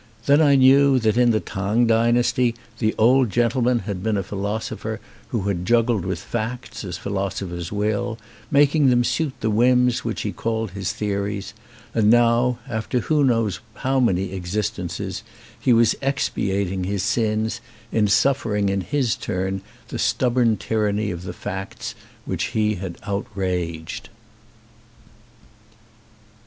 Then I knew that in the Tang dynasty the old gentleman had been a philosopher who had juggled with facts, as phi losophers will, making them suit the whims which he called his theories; and now, after who knows how many existences, he was expiating his sins in suffering in his turn the stubborn tyranny of the facts which he had outraged.